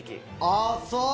あっそう！